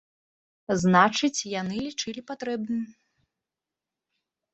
Значыць, яны лічылі патрэбным.